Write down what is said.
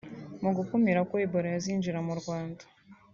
Mu gukumira ko Ebola yazinjira mu Rwanda